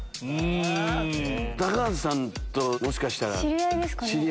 高畑さんともしかしたら。